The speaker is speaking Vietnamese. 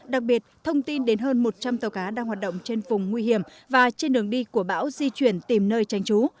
đặc biệt thông tin đến hơn một trăm linh tàu cá đang hoạt động trên vùng nguy hiểm và trên đường đi của bão di chuyển tìm nơi tránh trú